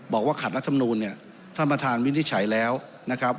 บอกว่าขัดรัฐมนูลเนี่ยท่านประธานวินิจฉัยแล้วนะครับ